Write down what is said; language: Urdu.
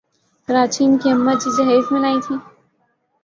کراچی ان کی اماں جی جہیز میں لائیں تھیں ۔